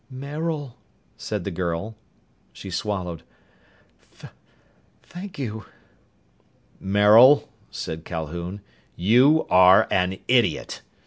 "Maril," said the girl. She swallowed. "Th thank you." "Maril," said Calhoun, "you are an idiot!